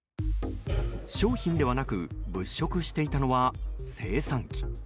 商品ではなく物色していたのは精算機。